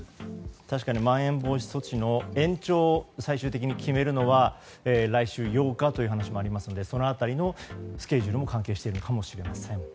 確かにまん延防止措置の延長を最終的に決めるのは来週８日という話もありますのでその辺りのスケジュールも関係しているのかもしれません。